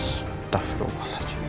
staff rumah nasib